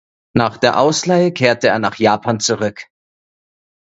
Nach der Ausleihe kehrte er nach Japan zurück.